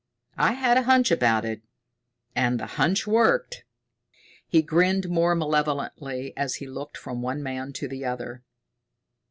I had a hunch about it and the hunch worked!" He grinned more malevolently as he looked from one man to the other.